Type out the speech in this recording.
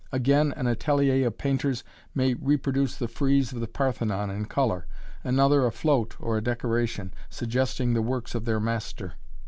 Again an atelier of painters may reproduce the frieze of the Parthenon in color; another a float or a decoration, suggesting the works of their master.